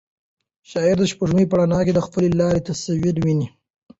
شاعر د سپوږمۍ په رڼا کې د خپل لالي تصویر ویني.